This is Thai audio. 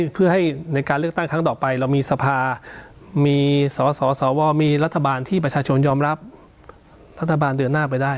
เพื่อให้ในการเลือกตั้งครั้งต่อไปเรามีสภามีสสวมีรัฐบาลที่ประชาชนยอมรับรัฐบาลเดินหน้าไปได้